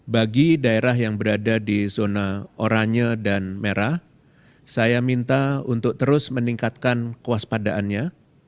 bagi daerah yang berada di zona oranye dan merah saya minta untuk terus meningkatkan kewaspadaannya